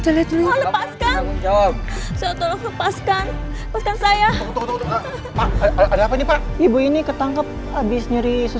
desa terpaksa mencuri pak